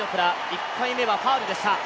１投目はファウルでした。